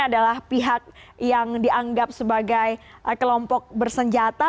adalah pihak yang dianggap sebagai kelompok bersenjata